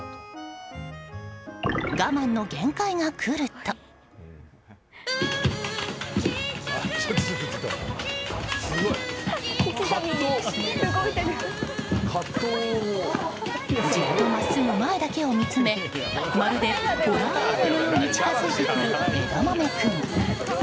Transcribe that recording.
我慢の限界が来るとじっと真っすぐ前だけを見つめまるでホラー映画のように近づいてくる、えだまめ君。